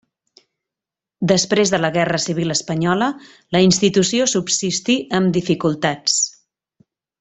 Després de la Guerra Civil Espanyola, la institució subsistí amb dificultats.